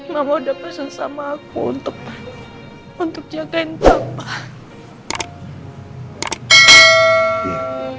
mama udah pesen sama aku untuk jagain papa